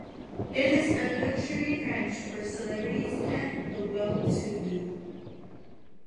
It is a luxury ranch for celebrities and the well-to-do.